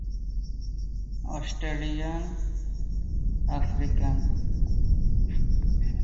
তিনি জীবনকালে বেশ কয়েকটি গজল রচনা করেছিলেন যা পরবর্তীতে বিভিন্ন জন বিভিন্ন আঙ্গিকে বিভিন্নভাবে বর্ণনা করেছেন ও গেয়েছেন।